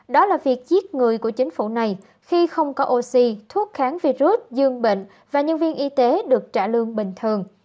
đó là việc giết người của chính phủ này khi không có oxy thuốc kháng virus dương bệnh và nhân viên y tế được trả lương bình thường